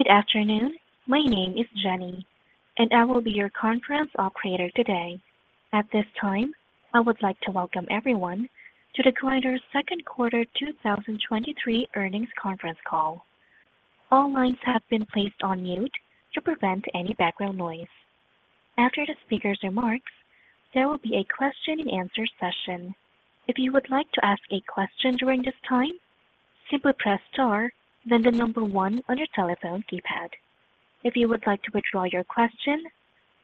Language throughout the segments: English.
Good afternoon. My name is Jenny, and I will be your conference operator today. At this time, I would like to welcome everyone to the Grindr's Q2 2023 earnings conference call. All lines have been placed on mute to prevent any background noise. After the speaker's remarks, there will be a question and answer session. If you would like to ask a question during this time, simply press Star, then the number one on your telephone keypad. If you would like to withdraw your question,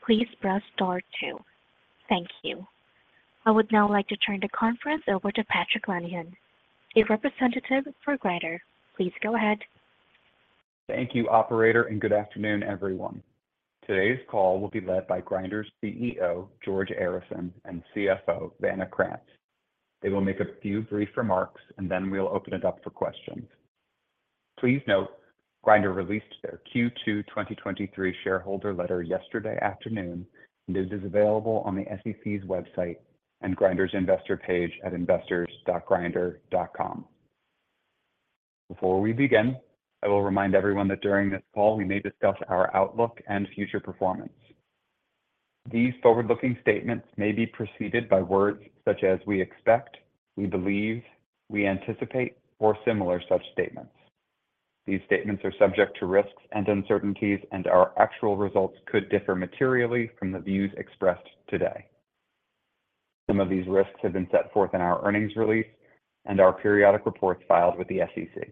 please press star two. Thank you. I would now like to turn the conference over to Patrick Lenihan, a representative for Grindr. Please go ahead. Thank you, operator, and good afternoon, everyone. Today's call will be led by Grindr's CEO, George Arison, and CFO, Vanna Krantz. They will make a few brief remarks, and then we'll open it up for questions. Please note, Grindr released their Q2 2023 shareholder letter yesterday afternoon, and it is available on the SEC's website and Grindr's investor page at investors.grindr.com. Before we begin, I will remind everyone that during this call, we may discuss our outlook and future performance. These forward-looking statements may be preceded by words such as: we expect, we believe, we anticipate, or similar such statements. These statements are subject to risks and uncertainties, and our actual results could differ materially from the views expressed today. Some of these risks have been set forth in our earnings release and our periodic reports filed with the SEC.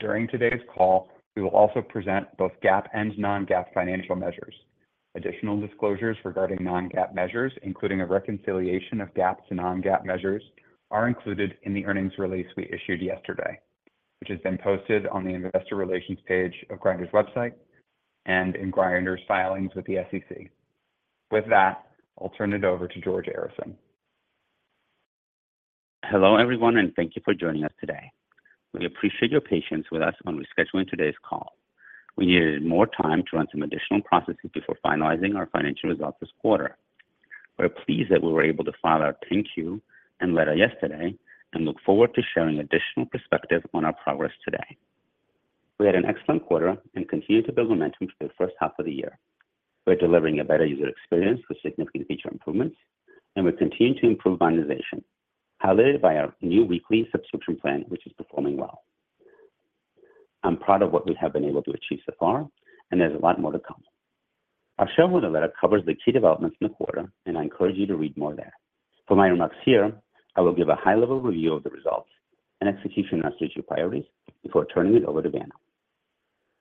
During today's call, we will also present both GAAP and non-GAAP financial measures. Additional disclosures regarding non-GAAP measures, including a reconciliation of GAAP to non-GAAP measures, are included in the earnings release we issued yesterday, which has been posted on the investor relations page of Grindr's website and in Grindr's filings with the SEC. With that, I'll turn it over to George Arison. Hello, everyone, and thank you for joining us today. We appreciate your patience with us on rescheduling today's call. We needed more time to run some additional processes before finalizing our financial results this quarter. We're pleased that we were able to file our 10-Q and letter yesterday and look forward to sharing additional perspective on our progress today. We had an excellent quarter and continue to build momentum for the first half of the year. We're delivering a better user experience with significant feature improvements, and we continue to improve monetization, highlighted by our new Weeklies, which is performing well. I'm proud of what we have been able to achieve so far, and there's a lot more to come. Our shareholder letter covers the key developments in the quarter, and I encourage you to read more there. For my remarks here, I will give a high-level review of the results and execution on our strategic priorities before turning it over to Vanna.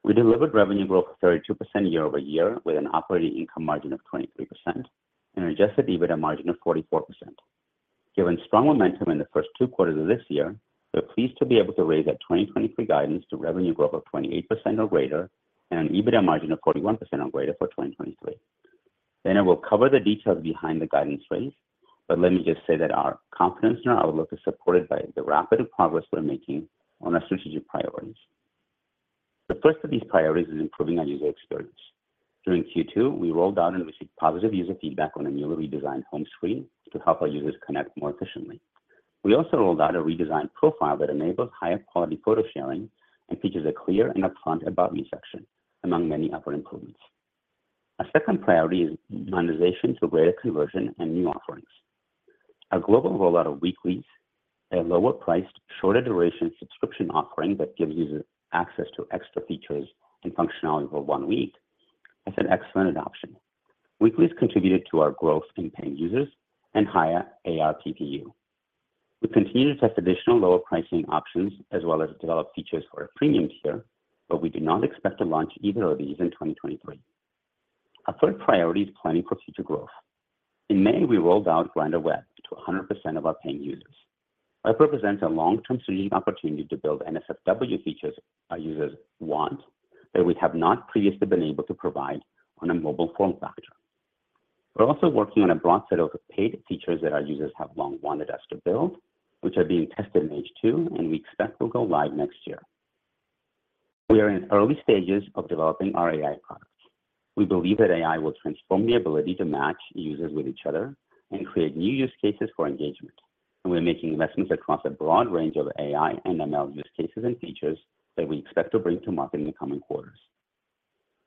We delivered revenue growth of 32% year-over-year, with an operating income margin of 23% and an Adjusted EBITDA margin of 44%. Given strong momentum in the first two quarters of this year, we're pleased to be able to raise our 2023 guidance to revenue growth of 28% or greater and an EBITDA margin of 41% or greater for 2023. Vanna will cover the details behind the guidance range, but let me just say that our confidence in our outlook is supported by the rapid progress we're making on our strategic priorities. The first of these priorities is improving our user experience. During Q2, we rolled out and received positive user feedback on a newly redesigned home screen to help our users connect more efficiently. We also rolled out a redesigned profile that enables higher quality photo sharing and features a clear and upfront About Me section, among many other improvements. Our second priority is monetization through greater conversion and new offerings. Our global rollout of Weeklies, a lower-priced, shorter-duration subscription offering that gives users access to extra features and functionality for one week, has had excellent adoption. Weeklies contributed to our growth in paying users and higher ARPPU. We continue to test additional lower pricing options as well as develop features for a premium tier, but we do not expect to launch either of these in 2023. Our third priority is planning for future growth. In May, we rolled out Grindr Web to 100% of our paying users. Web represents a long-term strategic opportunity to build NSFW features our users want that we have not previously been able to provide on a mobile form factor. We're also working on a broad set of paid features that our users have long wanted us to build, which are being tested in H2, and we expect will go live next year. We are in early stages of developing our AI products. We believe that AI will transform the ability to match users with each other and create new use cases for engagement, and we are making investments across a broad range of AI and ML use cases and features that we expect to bring to market in the coming quarters.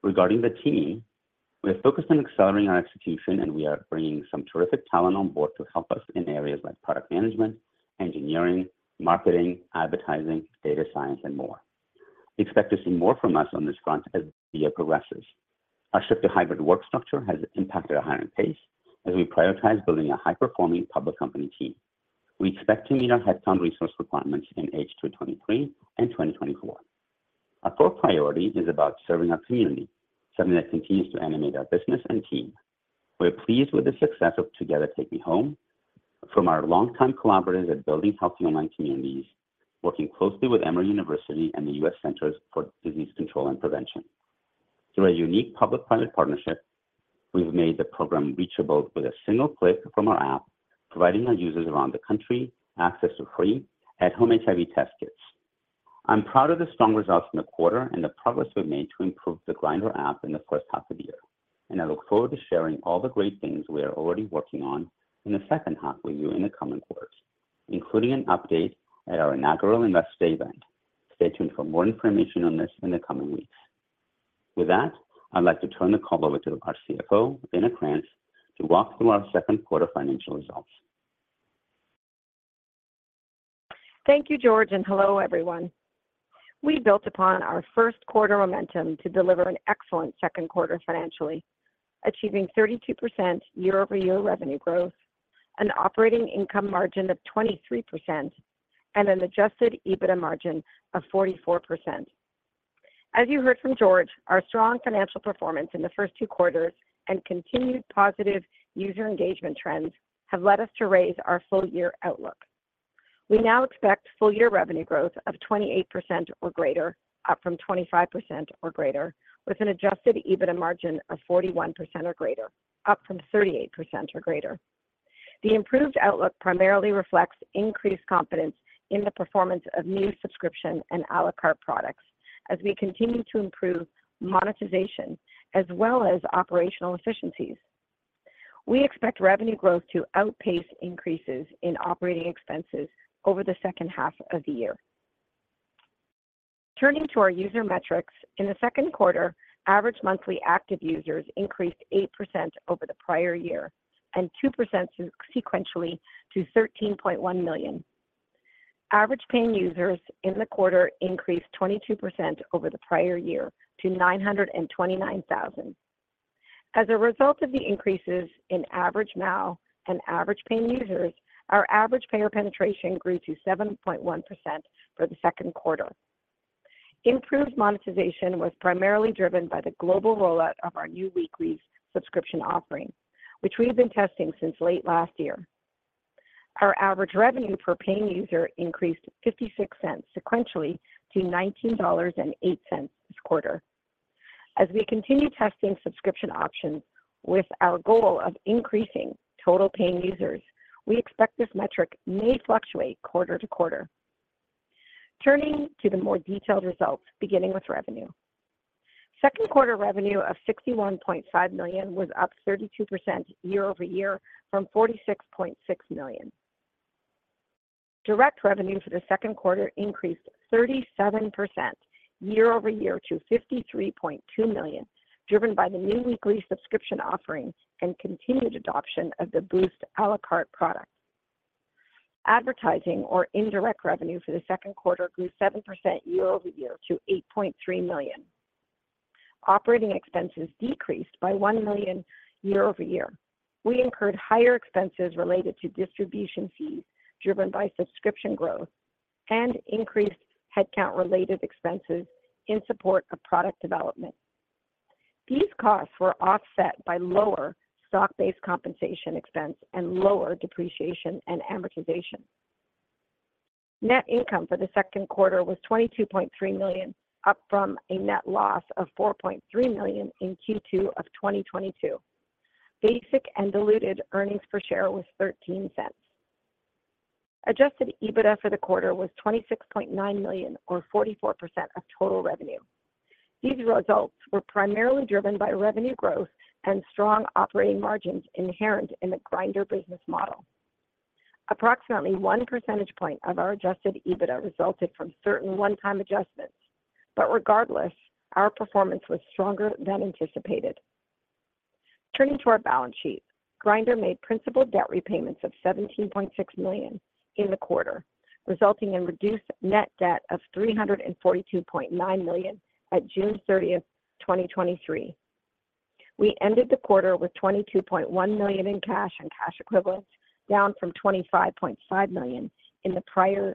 Regarding the team, we are focused on accelerating our execution, and we are bringing some terrific talent on board to help us in areas like product management, engineering, marketing, advertising, data science, and more. Expect to see more from us on this front as the year progresses. Our shift to hybrid work structure has impacted our hiring pace as we prioritize building a high-performing public company team. We expect to meet our headcount resource requirements in H2 2023 and 2024. Our fourth priority is about serving our community, something that continues to animate our business and team. We're pleased with the success of Together TakeMeHome from our longtime collaborators at Building Healthy Online Communities, working closely with Emory University and the US Centers for Disease Control and Prevention. Through a unique public-private partnership, we've made the program reachable with a single click from our app, providing our users around the country access to free at-home HIV test kits. I'm proud of the strong results in the quarter and the progress we've made to improve the Grindr app in the first half of the year. I look forward to sharing all the great things we are already working on in the second half with you in the coming quarters, including an update at our inaugural investor event. Stay tuned for more information on this in the coming weeks. With that, I'd like to turn the call over to our CFO, Vanna Krantz, to walk through our second quarter financial results. Thank you, George, hello, everyone. We built upon our first quarter momentum to deliver an excellent second quarter financially, achieving 32% year-over-year revenue growth, an operating income margin of 23%, and an Adjusted EBITDA margin of 44%. As you heard from George, our strong financial performance in the first two quarters and continued positive user engagement trends have led us to raise our full year outlook. We now expect full year revenue growth of 28%, or greater, up from 25% or greater, with an Adjusted EBITDA margin of 41% or greater, up from 38% or greater. The improved outlook primarily reflects increased confidence in the performance of new subscription and à la carte products as we continue to improve monetization as well as operational efficiencies. We expect revenue growth to outpace increases in operating expenses over the second half of the year. Turning to our user metrics, in the second quarter, average monthly active users increased 8% over the prior year and 2% sequentially to 13.1 million. Average paying users in the quarter increased 22% over the prior year to 929,000. As a result of the increases in average MAU and average paying users, our average payer penetration grew to 7.1% for the second quarter. Improved monetization was primarily driven by the global rollout of our new weekly subscription offering, which we've been testing since late last year. Our average revenue per paying user increased $0.56 sequentially to $19.08 this quarter. As we continue testing subscription options, with our goal of increasing total paying users, we expect this metric may fluctuate quarter to quarter. Turning to the more detailed results, beginning with revenue. Second quarter revenue of $61.5 million was up 32% year-over-year from $46.6 million. Direct revenue for the second quarter increased 37% year-over-year to $53.2 million, driven by the new weekly subscription offerings and continued adoption of the Boost à la carte product. Advertising or indirect revenue for the second quarter grew 7% year-over-year to $8.3 million. Operating expenses decreased by $1 million year-over-year. We incurred higher expenses related to distribution fees, driven by subscription growth and increased headcount-related expenses in support of product development. These costs were offset by lower stock-based compensation expense and lower depreciation and amortization. Net income for the second quarter was $22.3 million, up from a net loss of $4.3 million in Q2 of 2022. Basic and diluted earnings per share was $0.13. Adjusted EBITDA for the quarter was $26.9 million or 44% of total revenue. These results were primarily driven by revenue growth and strong operating margins inherent in the Grindr business model. Approximately one percentage point of our Adjusted EBITDA resulted from certain one-time adjustments, but regardless, our performance was stronger than anticipated. Turning to our balance sheet, Grindr made principal debt repayments of $17.6 million in the quarter, resulting in reduced net debt of $342.9 million at June 30th, 2023. We ended the quarter with $22.1 million in cash and cash equivalents, down from $25.5 million in the prior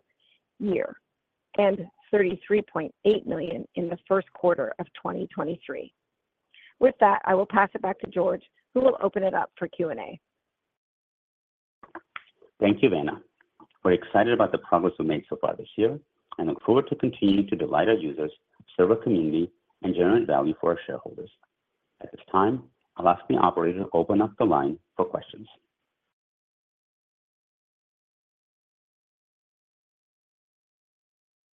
year and $33.8 million in the first quarter of 2023. With that, I will pass it back to George, who will open it up for Q&A. Thank you, Vanna. We're excited about the progress we've made so far this year and look forward to continuing to delight our users, serve our community, and generate value for our shareholders. At this time, I'll ask the operator to open up the line for questions.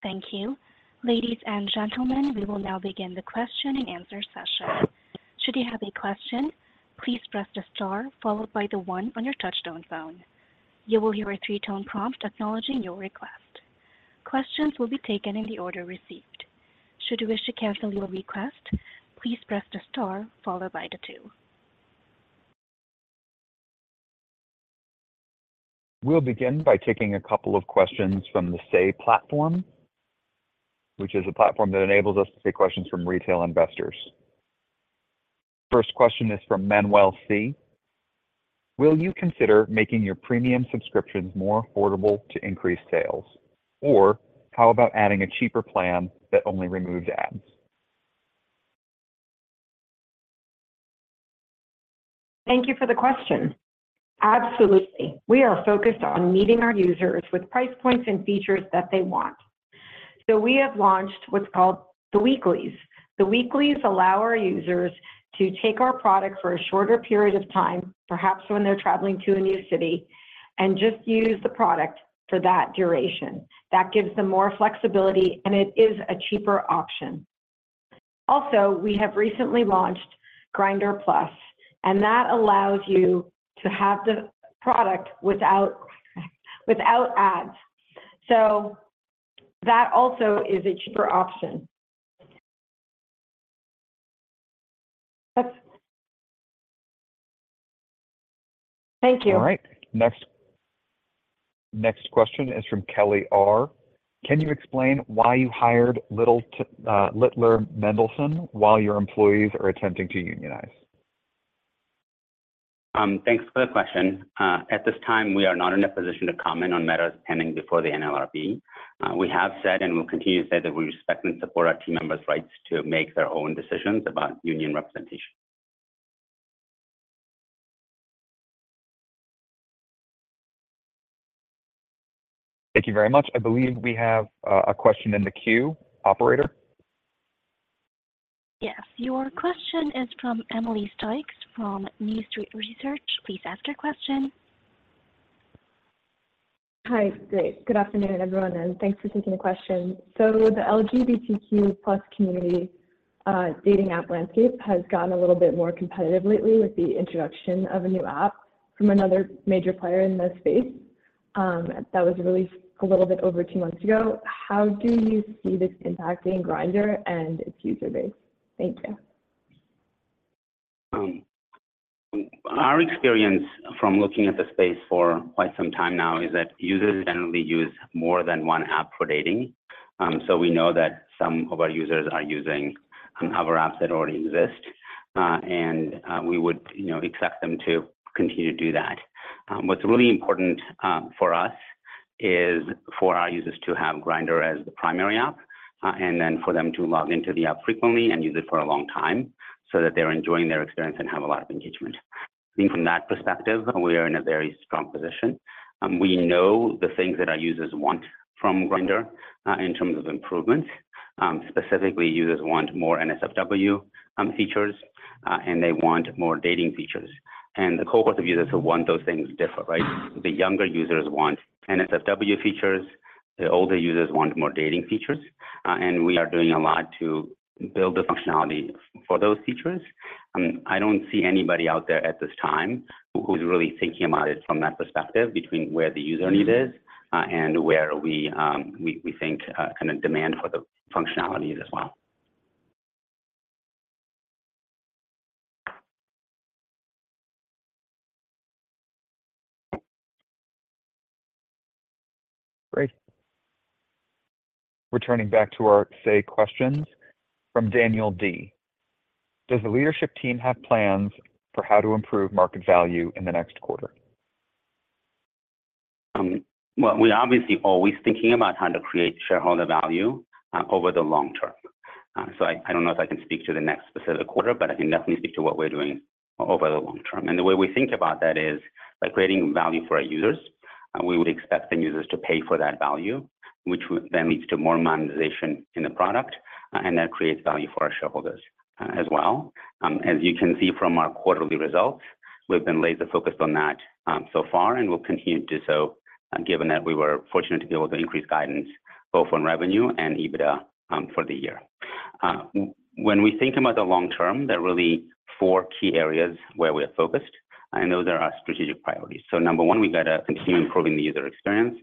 Thank you. Ladies and gentlemen, we will now begin the question and answer session. Should you have a question, please press the star followed by the one on your touchtone phone. You will hear a three-tone prompt acknowledging your request. Questions will be taken in the order received. Should you wish to cancel your request, please press the star followed by the two. We'll begin by taking a couple of questions from the Say platform, which is a platform that enables us to take questions from retail investors. First question is from Manuel C: Will you consider making your premium subscriptions more affordable to increase sales? How about adding a cheaper plan that only removes ads? Thank you for the question. Absolutely. We are focused on meeting our users with price points and features that they want. We have launched what's called the Weeklies. The Weeklies allow our users to take our product for a shorter period of time, perhaps when they're traveling to a new city, and just use the product for that duration. That gives them more flexibility, and it is a cheaper option. We have recently launched Grindr Plus, and that allows you to have the product without, without ads. That also is a cheaper option. Thank you. All right. Next, next question is from Kelly R: Can you explain why you hired Littler Mendelson while your employees are attempting to unionize? Thanks for the question. At this time, we are not in a position to comment on matters pending before the NLRB. We have said and will continue to say that we respect and support our team members' rights to make their own decisions about union representation. Thank you very much. I believe we have a question in the queue. Operator? Yes. Your question is from Emily Sykes from New Street Research. Please ask your question. Hi. Great. Good afternoon, everyone, and thanks for taking the question. The LGBTQ+ community dating app landscape has gotten a little bit more competitive lately with the introduction of a new app from another major player in this space that was released a little bit over two months ago. How do you see this impacting Grindr and its user base? Thank you. Our experience from looking at the space for quite some time now is that users generally use more than one app for dating. We know that some of our users are using some other apps that already exist, and we would, you know, expect them to continue to do that. What's really important for us is for our users to have Grindr as the primary app, and then for them to log into the app frequently and use it for a long time, so that they're enjoying their experience and have a lot of engagement. I think from that perspective, we are in a very strong position. We know the things that our users want from Grindr, in terms of improvements. Specifically, users want more NSFW features, and they want more dating features. The cohort of users who want those things differ, right? The younger users want NSFW features, the older users want more dating features, and we are doing a lot to build the functionality for those features. I don't see anybody out there at this time who, who's really thinking about it from that perspective, between where the user need is, and where we, we, we think, kind of demand for the functionalities as well. Great. Returning back to our Say questions, from Daniel D: Does the leadership team have plans for how to improve market value in the next quarter? Well, we're obviously always thinking about how to create shareholder value, over the long term. I, I don't know if I can speak to the next specific quarter, but I can definitely speak to what we're doing over the long term. The way we think about that is by creating value for our users, we would expect the users to pay for that value, which then leads to more monetization in the product, and that creates value for our shareholders, as well. As you can see from our quarterly results, we've been laser-focused on that, so far, and we'll continue to do so, given that we were fortunate to be able to increase guidance both on revenue and EBITDA, for the year. When we think about the long term, there are really four key areas where we are focused, and those are our strategic priorities. So number one, we've got to continue improving the user experience.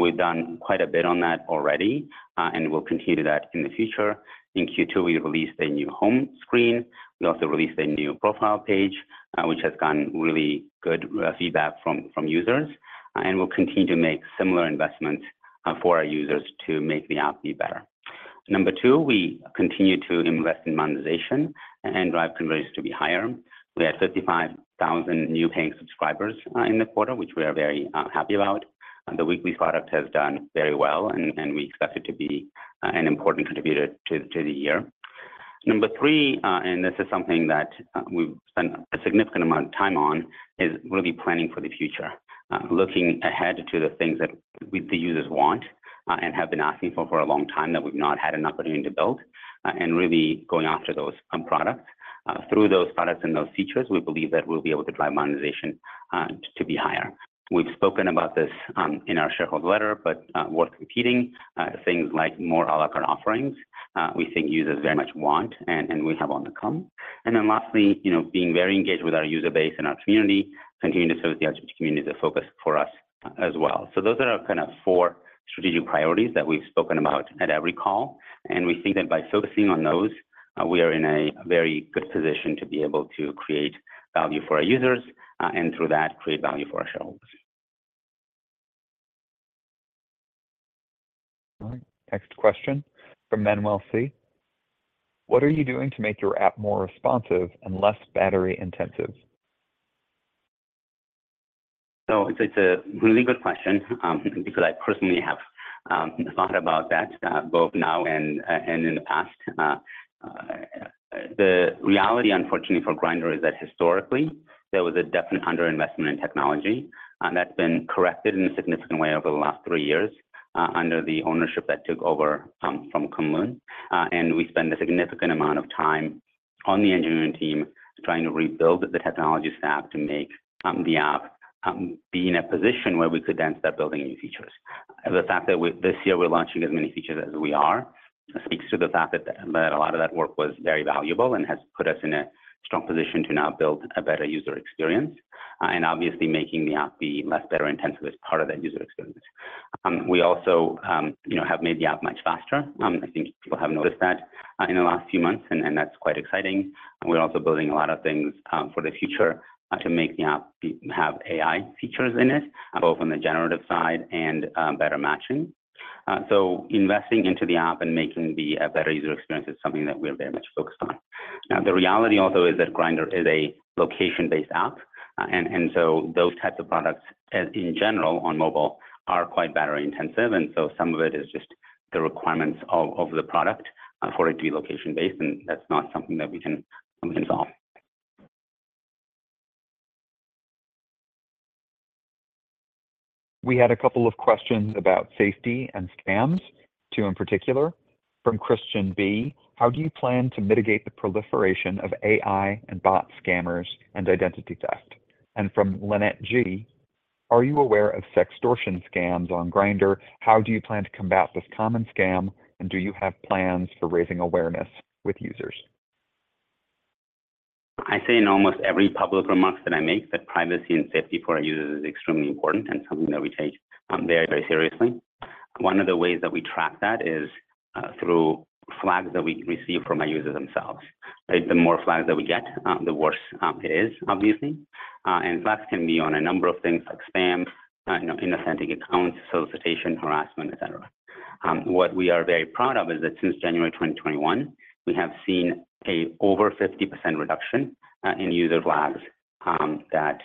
We've done quite a bit on that already, and we'll continue to do that in the future. In Q2, we released a new home screen. We also released a new profile page, which has gotten really good feedback from, from users. And we'll continue to make similar investments for our users to make the app be better. Number two, we continue to invest in monetization and drive conversion to be higher. We had 55,000 new paying subscribers in the quarter, which we are very happy about. The Weeklies product has done very well, and, and we expect it to be an important contributor to, to the year. Number three, and this is something that we've spent a significant amount of time on, is really planning for the future. Looking ahead to the things that we, the users want, and have been asking for for a long time, that we've not had an opportunity to build, and really going after those products. Through those products and those features, we believe that we'll be able to drive monetization to be higher. We've spoken about this in our shareholder letter, but we're competing, things like more à la carte offerings, we think users very much want, and, and we have on the come. Lastly, you know, being very engaged with our user base and our community, continuing to serve the LGBTQ community is a focus for us as well. Those are our kind of four strategic priorities that we've spoken about at every call, and we think that by focusing on those, we are in a very good position to be able to create value for our users, and through that, create value for our shareholders. All right. Next question from Manuel C: What are you doing to make your app more responsive and less battery intensive? It's a, it's a really good question, because I personally have thought about that, both now and in the past. The reality, unfortunately, for Grindr is that historically there was a definite underinvestment in technology, that's been corrected in a significant way over the last three years, under the ownership that took over from Kunlun. We spend a significant amount of time on the engineering team, trying to rebuild the technology stack to make the app be in a position where we could then start building new features. The fact that we this year, we're launching as many features as we are, speaks to the fact that a lot of that work was very valuable and has put us in a strong position to now build a better user experience, and obviously making the app be less battery intensive is part of that user experience. We also, you know, have made the app much faster. I think people have noticed that in the last few months, and that's quite exciting. We're also building a lot of things for the future to make the app have AI features in it, both on the generative side and better matching. Investing into the app and making the better user experience is something that we're very much focused on. Now, the reality also is that Grindr is a location-based app. And, and so those types of products, as in general on mobile, are quite battery intensive, and so some of it is just the requirements of, of the product, for it to be location-based, and that's not something that we can, we can solve. We had a couple of questions about safety and scams, two in particular. From Christian B: How do you plan to mitigate the proliferation of AI and bot scammers and identity theft? From Lynette G: Are you aware of sextortion scams on Grindr? How do you plan to combat this common scam, and do you have plans for raising awareness with users? I say in almost every public remarks that I make, that privacy and safety for our users is extremely important and something that we take, very, very seriously. One of the ways that we track that is through flags that we receive from our users themselves, right? The more flags that we get, the worse, it is, obviously. Flags can be on a number of things like spam, you know, inauthentic accounts, solicitation, harassment, et cetera. What we are very proud of is that since January 2021, we have seen a over 50% reduction in user flags, that,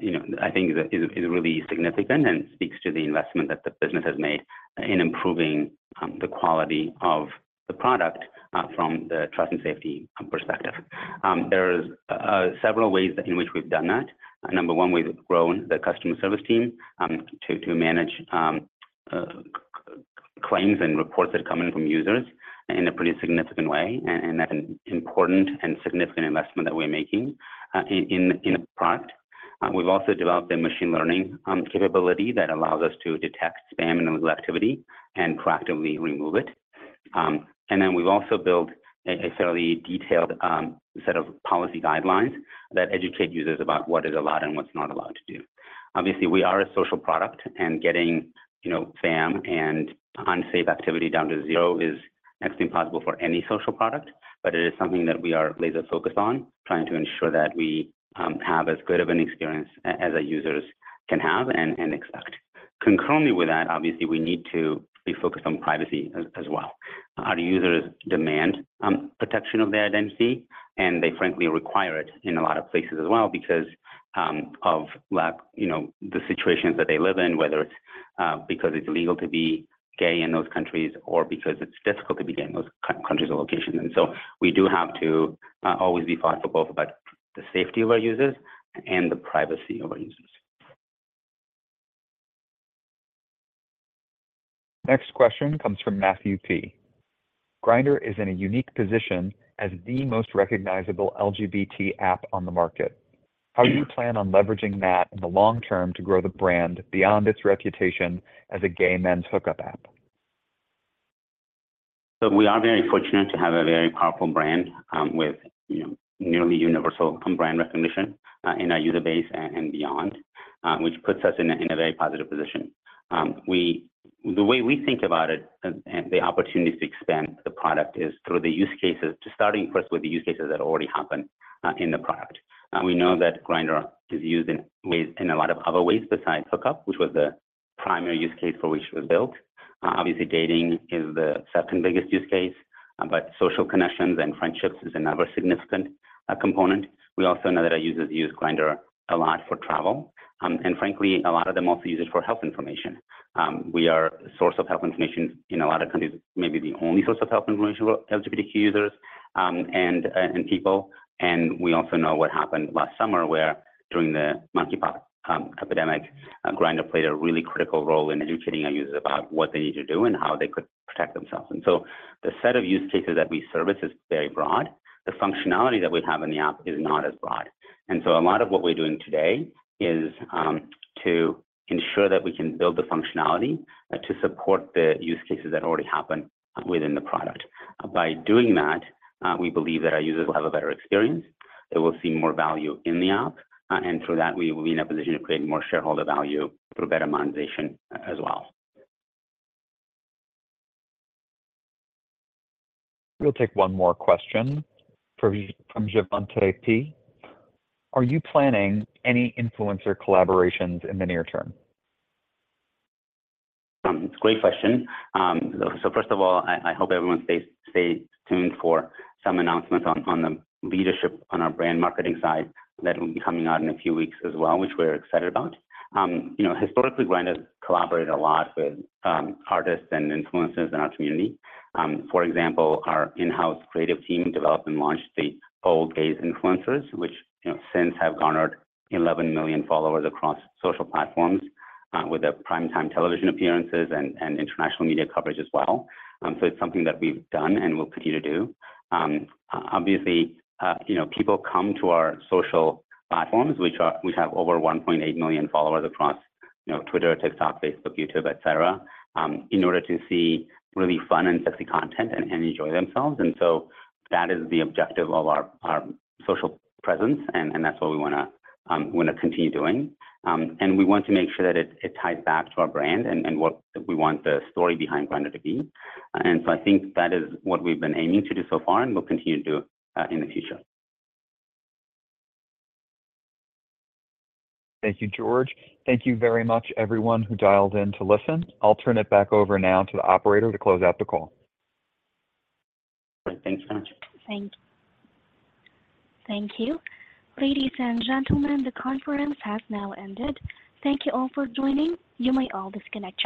you know, I think is, is really significant and speaks to the investment that the business has made in improving the quality of the product from the trust and safety perspective. There's several ways in which we've done that. Number one, we've grown the customer service team to manage claims and reports that come in from users in a pretty significant way, and that's an important and significant investment that we're making in the product. We've also developed a machine learning capability that allows us to detect spam and illegal activity and proactively remove it. Then we've also built a fairly detailed set of policy guidelines that educate users about what is allowed and what's not allowed to do. Obviously, we are a social product and getting, you know, spam and unsafe activity down to zero is next to impossible for any social product, but it is something that we are laser focused on, trying to ensure that we have as good of an experience as our users can have and, and expect. Concurrently with that, obviously, we need to be focused on privacy as, as well. Our users demand protection of their identity, and they frankly require it in a lot of places as well because of lack, you know, the situations that they live in, whether it's because it's illegal to be gay in those countries or because it's difficult to be gay in those countries or locations. We do have to always be thoughtful about the safety of our users and the privacy of our users. Next question comes from Matthew P: Grindr is in a unique position as the most recognizable LGBT app on the market. How do you plan on leveraging that in the long term to grow the brand beyond its reputation as a gay men's hookup app? We are very fortunate to have a very powerful brand, with, you know, nearly universal brand recognition, in our user base and, and beyond, which puts us in a, in a very positive position. The way we think about it and, and the opportunities to expand the product is through the use cases, to starting first with the use cases that already happen, in the product. We know that Grindr is used in ways, in a lot of other ways besides hookup, which was the primary use case for which it was built. Obviously, dating is the second biggest use case, but social connections and friendships is another significant component. We also know that our users use Grindr a lot for travel. Frankly, a lot of them also use it for health information. We are a source of health information in a lot of countries, maybe the only source of health information for LGBTQ users, and people. We also know what happened last summer, where during the monkeypox epidemic, Grindr played a really critical role in educating our users about what they need to do and how they could protect themselves. The set of use cases that we service is very broad. The functionality that we have in the app is not as broad. A lot of what we're doing today is to ensure that we can build the functionality to support the use cases that already happen within the product. By doing that, we believe that our users will have a better experience, they will see more value in the app, and through that, we will be in a position to create more shareholder value through better monetization as well. We'll take one more question from, from Givante P: Are you planning any influencer collaborations in the near term? It's a great question. First of all, I hope everyone stays, stay tuned for some announcements on, on the leadership on our brand marketing side that will be coming out in a few weeks as well, which we're excited about. You know, historically, Grindr has collaborated a lot with artists and influencers in our community. For example, our in-house creative team developed and launched the Old Gays influencers, which, you know, since have garnered 11 million followers across social platforms, with their primetime television appearances and international media coverage as well. It's something that we've done and will continue to do. Obviously, you know, people come to our social platforms, we have over 1.8 million followers across, you know, Twitter, TikTok, Facebook, YouTube, et cetera, in order to see really fun and sexy content and enjoy themselves. So that is the objective of our, our social presence, and that's what we wanna continue doing. We want to make sure that it, it ties back to our brand and what we want the story behind Grindr to be. So I think that is what we've been aiming to do so far, and we'll continue to do in the future. Thank you, George. Thank you very much, everyone who dialed in to listen. I'll turn it back over now to the operator to close out the call. Great. Thanks so much. Thank you. Thank you. Ladies and gentlemen, the conference has now ended. Thank you all for joining. You may all disconnect.